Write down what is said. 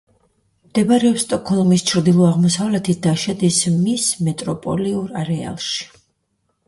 მდებარეობს სტოკჰოლმის ჩრდილო-აღმოსავლეთით და შედის მის მეტროპოლიურ არეალში.